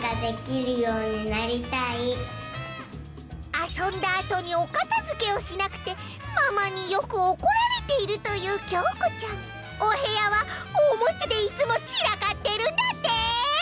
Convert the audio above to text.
あそんだあとにおかたづけをしなくてママによくおこられているというおへやはおもちゃでいつもちらかってるんだって！